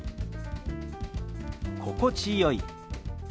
「心地よい」。